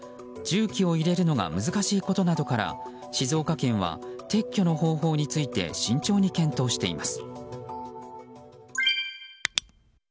重機を入れるのが難しいことなどから静岡県は撤去の方法について慎重に検討しています。